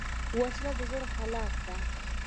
وسله د زړه خلاف ده